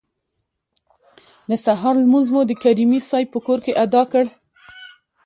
د سهار لمونځ مو د کریمي صیب په کور کې ادا کړ.